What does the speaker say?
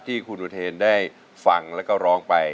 ที่คุณอุเทนได้ฟังแล้วก็ร้องไป